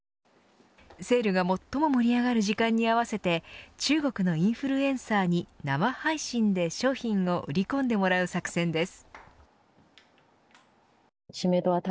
セールが最も盛り上がる時間に合わせて中国のインフルエンサーに生配信で商品を売り込んでもらう作戦です。